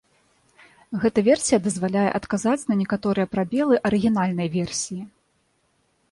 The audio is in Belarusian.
Гэта версія дазваляе адказаць на некаторыя прабелы арыгінальнай версіі.